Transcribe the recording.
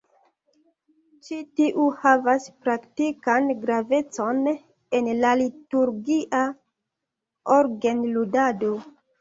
Ĉi tiu havas praktikan gravecon en la liturgia orgenludado.